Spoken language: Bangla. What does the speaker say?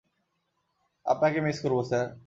আপনাকে মিস করব, স্যার!